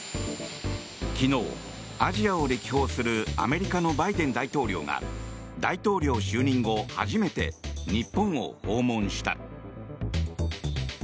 昨日、アジアを歴訪するアメリカのバイデン大統領が大統領就任後初めて日本を訪問した。